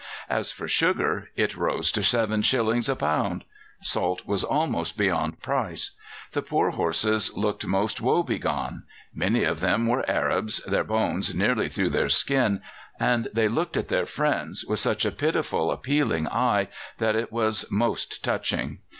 As for sugar, it rose to seven shillings a pound. Salt was almost beyond price. The poor horses looked most woebegone. Many of them were Arabs, their bones nearly through their skin, and they looked at their friends with such a pitiful, appealing eye that it was most touching.